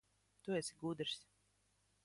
Tu esi gudrs.